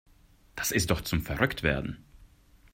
Das ist doch zum verrückt werden.